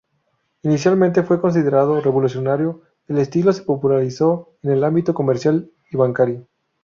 Inicialmente fue considerado revolucionario, el estilo se popularizó en el ámbito comercial y bancario.